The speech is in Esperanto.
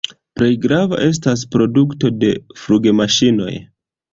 La plej grava estas produkto de flugmaŝinoj.